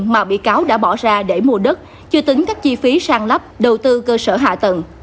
mà bị cáo đã bỏ ra để mua đất chưa tính các chi phí sang lắp đầu tư cơ sở hạ tầng